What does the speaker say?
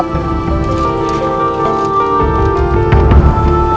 kasih main ah